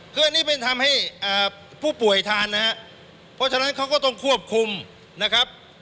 คืออันนี้เป็นทำให้ผู้ป่วยทานนะครับเพราะฉะนั้นเขาก็ต้องควบคุมนะครับ